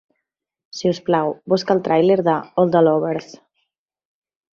Si us plau, busca el tràiler de "All the Lovers".